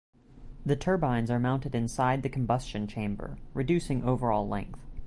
The turbines are mounted inside the combustion chamber, reducing overall length.